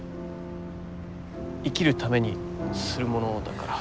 生きるためにするものだから。